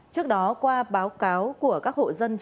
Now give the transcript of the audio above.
trước đó qua báo cáo của các hộ dân